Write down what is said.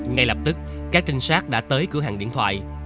ngay lập tức các trinh sát đã tới cửa hàng điện thoại